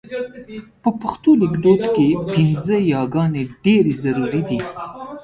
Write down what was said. په پښتو لیکدود کې پينځه یې ګانې ډېرې ضرور دي.